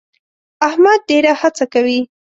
احمد ډېر هڅه کوي.